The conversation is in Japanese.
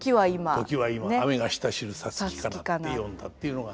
「ときは今あめが下しる五月かな」って詠んだっていうのが。